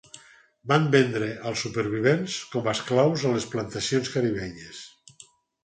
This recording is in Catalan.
Van vendre els supervivents com esclaus a les plantacions caribenyes.